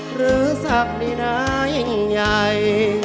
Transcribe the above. หรือศัพท์ดินายังใหญ่